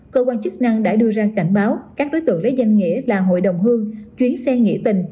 cơ quan chức năng đã đưa ra cảnh báo các đối tượng lấy danh nghĩa là hội đồng hương chuyến xe nghĩa tình